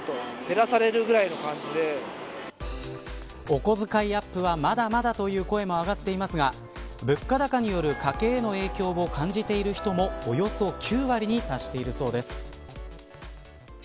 お小遣いアップはまだまだという声も上がっていますが物価高による家計への影響を感じている人も、およそ９割に達しているそうです。